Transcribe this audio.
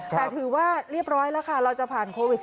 แต่ถือว่าเรียบร้อยแล้วค่ะเราจะผ่านโควิด๑๙